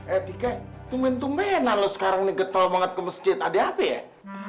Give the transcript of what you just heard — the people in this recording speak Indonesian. eh tika tumen tumena lo sekarang nih getel banget ke masjid ada apa ya